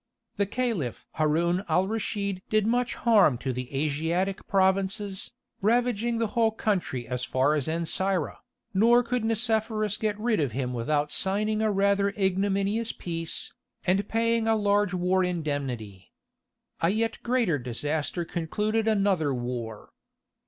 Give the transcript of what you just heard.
The Caliph Haroun al Raschid did much harm to the Asiatic provinces, ravaging the whole country as far as Ancyra, nor could Nicephorus get rid of him without signing a rather ignominious peace, and paying a large war indemnity. A yet greater disaster concluded another war.